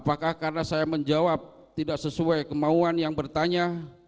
apakah karena saya menjawab tidak sesuai kemauan yang bertanya